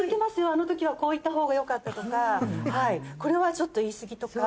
あの時はこう言ったほうがよかったとかこれはちょっと言い過ぎとか。